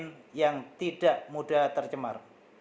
atau bahan lain yang tidak mudah tercemar